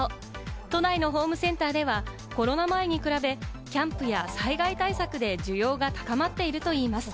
都内のホームセンターでは、コロナ前に比べ、キャンプや災害対策で需要が高まっているといいます。